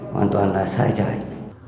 hoàn toàn là sai trái